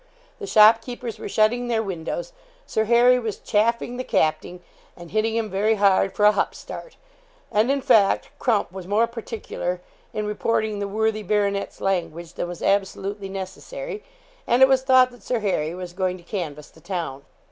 The shop keepers were shutting their windows. Sir Harry was 'chaffing the capting,' and hitting him very hard 'for a hupstart' and, in fact, Crump was more particular in reporting the worthy baronet's language than was absolutely necessary. And it was thought that Sir Harry was going to canvass the town.